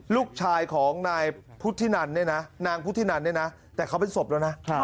ลูกชายของนายพุทธินันนางพุทธินันแต่เขาเป็นสบแล้วนะ